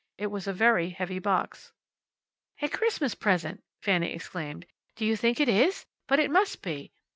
It was a very heavy box. "A Christmas present!" Fanny exclaimed. "Do you think it is? But it must be."